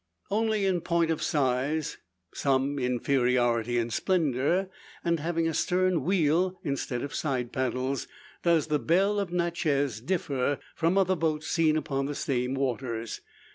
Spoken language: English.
Only in point of size, some inferiority in splendour, and having a stern wheel instead of side paddles, does the "Belle of Natchez" differ from other boats seen upon the same waters.